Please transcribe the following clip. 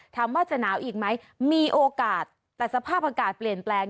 ถามว่าจะหนาวอีกไหมมีโอกาสแต่สภาพอากาศเปลี่ยนแปลง